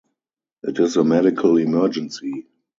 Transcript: It is a medical emergency.